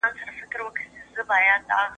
د زړه غوښتنو ته غاړه نه اېښودل کېږي.